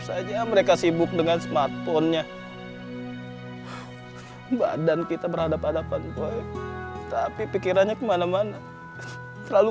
saja mereka sibuk dengan smartphone nya mbak dan kita berhadapan hadapan tapi pikirannya kemana mana selalu